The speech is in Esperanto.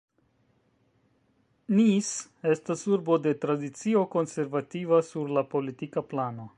Nice estas urbo de tradicio konservativa sur la politika plano.